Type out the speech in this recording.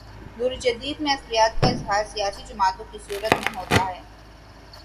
دور جدید میں عصبیت کا ظہور سیاسی جماعتوں کی صورت میں ہوتا ہے۔